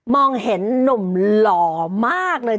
มองเห็นนุ่มหลอมากเลย